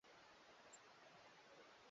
Bado hajawasili.